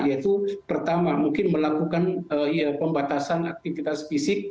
yaitu pertama mungkin melakukan pembatasan aktivitas fisik